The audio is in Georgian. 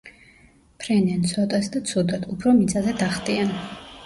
ფრენენ ცოტას და ცუდად, უფრო მიწაზე დახტიან.